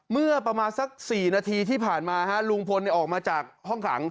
เมื่อประมาณสัก๔นาทีที่ผ่านมาลุงพลออกมาจากห้องขัง